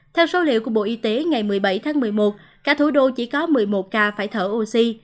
theo số liệu của bộ y tế ngày một mươi bảy tháng một mươi một cả thủ đô chỉ có một mươi một ca phải thở oxy